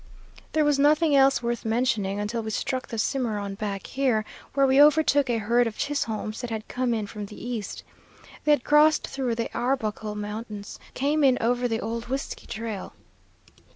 "There was nothing else worth mentioning until we struck the Cimarron back here, where we overtook a herd of Chisholm's that had come in from the east. They had crossed through the Arbuckle Mountains came in over the old Whiskey Trail.